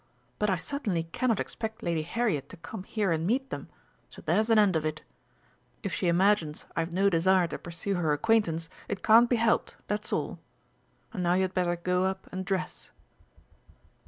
But I certainly cannot expect Lady Harriet to come here and meet them, so there's an end of it. If she imagines I've no desire to pursue her acquaintance, it can't be helped, that's all! And now you had better go up and dress."